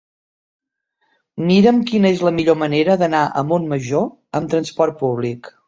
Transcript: Mira'm quina és la millor manera d'anar a Montmajor amb trasport públic.